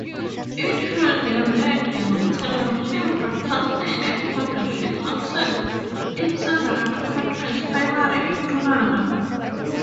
It held radio, television broadcasting and publishing assets in several countries, primarily in Canada.